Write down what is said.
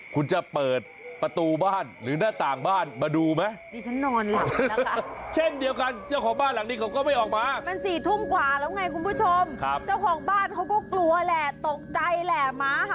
คุณจะเปิดประตูบ้านหรือหน้าต่างบ้านมาดูไหม